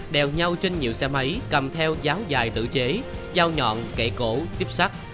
đèo nhau trên nhiều xe máy cầm theo giáo dài tự chế dao nhọn kệ cổ tiếp sắt